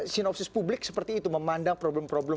sinopsis publik seperti itu memandang problem problem